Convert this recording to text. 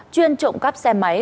chuyên trộm cắp xe máy